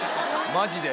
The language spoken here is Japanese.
マジで。